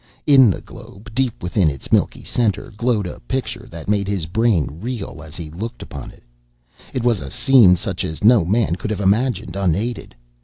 In the globe, deep within its milky center, glowed a picture that made his brain reel as he looked upon it. It was a scene such as no man could have imagined unaided.